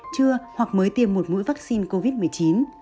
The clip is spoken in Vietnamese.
chưa hoặc mới tiêm một mũi vaccine covid một mươi chín